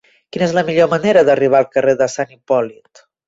Quina és la millor manera d'arribar al carrer de Sant Hipòlit?